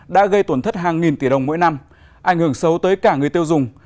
đã gây tổn thất hàng nghìn tỷ đồng mỗi năm ảnh hưởng xấu tới cả người tiêu dùng